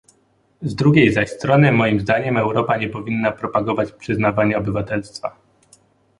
Z drugiej zaś strony moim zdaniem Europa nie powinna propagować przyznawania obywatelstwa